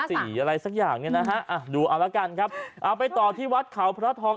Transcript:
อะไรสักอย่างเนี่ยนะฮะอ่ะดูเอาละกันครับเอาไปต่อที่วัดเขาพระทอง